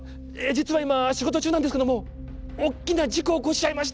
「実は今仕事中なんですけどもおっきな事故を起こしちゃいました。